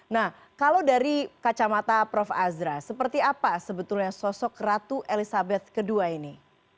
nah kalau dari kacamata prof azra seperti apa sebetulnya sosok ratu elizabeth ii ini